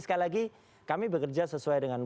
sekali lagi kami bekerja sesuai dengan